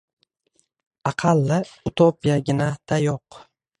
Aqalli, utopiyagina-da yo‘q!